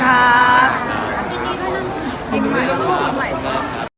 สวัสดีทีด้วยนะจริงป่ะ